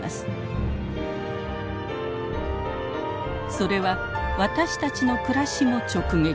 それは私たちの暮らしも直撃。